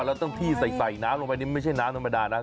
แล้วต้องที่ใส่น้ำลงไปนี่ไม่ใช่น้ำธรรมดานะ